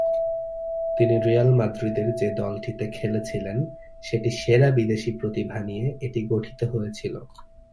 তিনি রিয়াল মাদ্রিদের যে দলটিতে খেলেছিলেন সেটি সেরা বিদেশী প্রতিভা নিয়ে এটি গঠিত হয়েছিল।